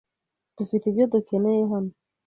Dufite ibyo dukeneye hano.